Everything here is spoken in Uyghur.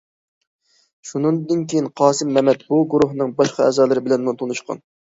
شۇندىن كېيىن، قاسىم مەمەت بۇ گۇرۇھنىڭ باشقا ئەزالىرى بىلەنمۇ تونۇشقان.